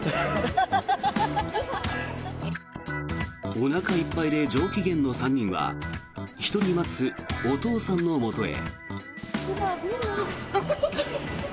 おなかいっぱいで上機嫌の３人は１人待つお父さんのもとへ。